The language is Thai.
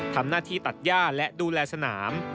ทำหน้าที่ตัดย่าและดูแลสนาม